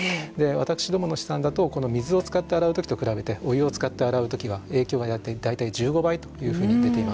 私どもの試算だとこの水を使って洗う時と比べてお湯を使って洗う時は影響は大体１５倍というふうに出ています。